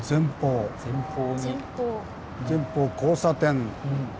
前方交差点。